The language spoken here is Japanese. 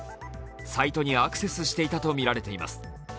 サイトにアクセスしていたとみられています。